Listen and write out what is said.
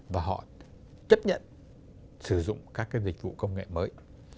và họ chấp nhận sử dụng các cái dịch vụ công nghệ mới